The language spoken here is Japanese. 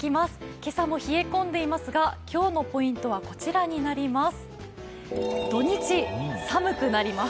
今朝も冷え込んでいますが、今日のポイントはこちらになります。